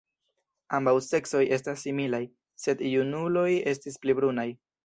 Ambaŭ seksoj estas similaj, sed junuloj estas pli brunaj.